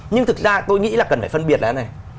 nhưng thực ra tôi nghĩ là cần phải phân biệt là thế này